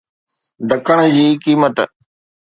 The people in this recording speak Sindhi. ڍڪڻ جي قيمت